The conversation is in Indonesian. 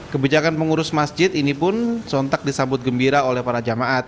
kebijakan pengurus masjid ini pun sontak disambut gembira oleh para jemaat